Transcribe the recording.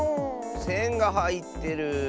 せんがはいってる。